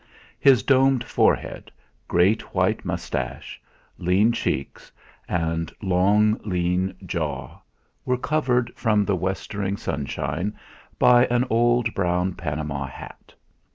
His domed forehead, great white moustache, lean cheeks, and long lean jaw were covered from the westering sunshine by an old brown Panama hat.